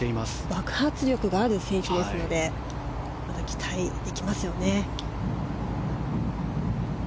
爆発力がある選手ですのでまだ期待できますよね。